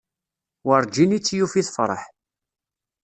Werǧin i tt-yufi tefreḥ.